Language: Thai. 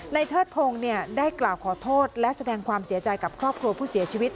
เทิดพงศ์ได้กล่าวขอโทษและแสดงความเสียใจกับครอบครัวผู้เสียชีวิต